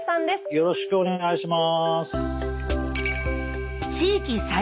よろしくお願いします。